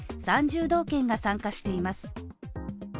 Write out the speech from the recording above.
道県が参加しています。